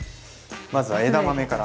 まずは枝豆から。